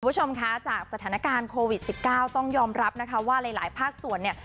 คุณผู้ชมคะจากสถานการณ์โควิด๑๙ต้องยอมรับนะคะว่าหลายภาคส่วนเนี่ย